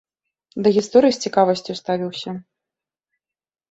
Да гісторыі з цікавасцю ставіўся.